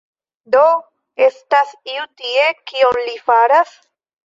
Do estas iu tie, kion li faras?